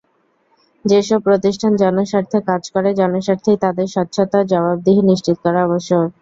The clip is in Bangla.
যেসব প্রতিষ্ঠান জনস্বার্থে কাজ করে, জনস্বার্থেই তাদের স্বচ্ছতা-জবাবদিহি নিশ্চিত করা আবশ্যক।